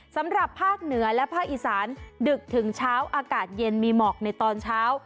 สำหรับภาคเหนือและภาคอีสานดึกถึงเช้าอากาศเย็นมีหมอกในตอนเช้า